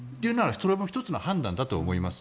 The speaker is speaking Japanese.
それも１つの判断だと思います。